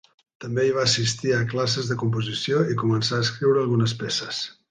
També hi va assistir a classes de composició, i començà a escriure algunes peces.